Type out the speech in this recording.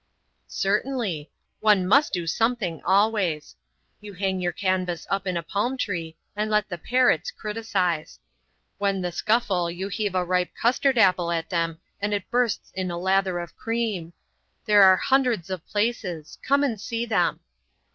"Certainly. One must do something always. You hang your canvas up in a palm tree and let the parrots criticise. When they scuffle you heave a ripe custard apple at them, and it bursts in a lather of cream. There are hundreds of places. Come and see them."